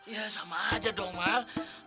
ya sama aja dong mahal